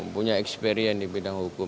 punya experience di bidang hukum